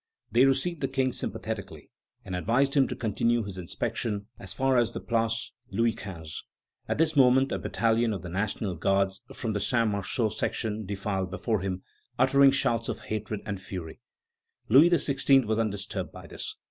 They received the King sympathetically and advised him to continue his inspection as far as the Place Louis XV. At this moment a battalion of the National Guards from the Saint Marceau section defiled before him, uttering shouts of hatred and fury. Louis XVI. was undisturbed by this.